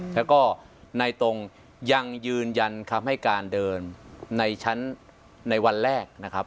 แล้วก็ในตรงยังยืนยันคำให้การเดินในชั้นในวันแรกนะครับ